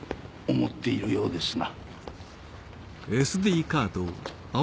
思っているようですな。